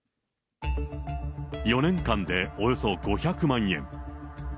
４年間でおよそ５００万円。